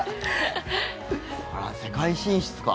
世界進出か。